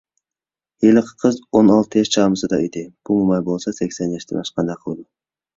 ھېلىقى قىز ئون ئالتە ياش چامىسىدا ئىدى، بۇ موماي بولسا سەكسەن ياشتىن ئاشقاندەك قىلىدۇ.